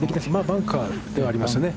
バンカーではありますね。